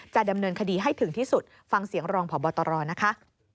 จะดำเนินคดีให้ถึงที่สุดฟังเสียงรองพบตรนะคะ